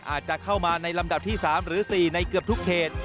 อาจจะเข้ามาในลำดับที่๓หรือ๔ในเกือบทุกเขต